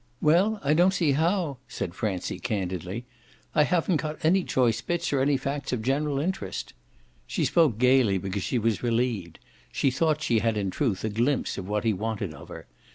"Well, I don't see how," said Francie candidly. "I haven't got any choice bits or any facts of general interest." She spoke gaily because she was relieved; she thought she had in truth a glimpse of what he wanted of her.